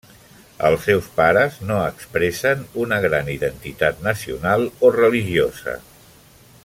Els seus pares no expressen una gran identitat nacional o religiosa.